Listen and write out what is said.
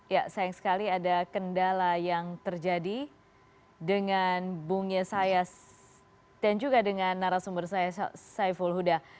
ya sayang sekali ada kendala yang terjadi dengan bung yesayas dan juga dengan narasumber saya saiful huda